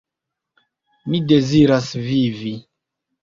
Mi deziras vivi.